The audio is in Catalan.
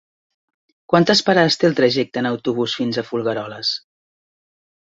Quantes parades té el trajecte en autobús fins a Folgueroles?